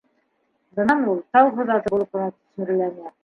Бынан ул тау һыҙаты булып ҡына төҫмөрләнә.